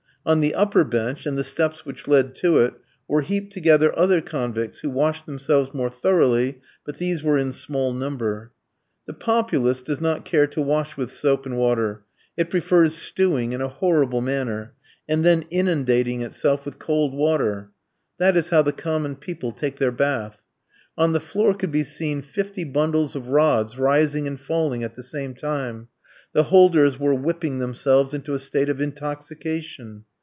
On the upper bench, and the steps which led to it, were heaped together other convicts who washed themselves more thoroughly, but these were in small number. The populace does not care to wash with soap and water, it prefers stewing in a horrible manner, and then inundating itself with cold water. That is how the common people take their bath. On the floor could be seen fifty bundles of rods rising and falling at the same time, the holders were whipping themselves into a state of intoxication.